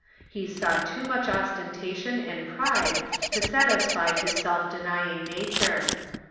He saw too much os tentation and pride to satisfy his self denying nature.